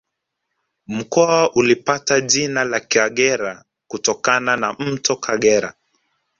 Mkoa ulipata jina la Kagera kutokana na Mto Kagera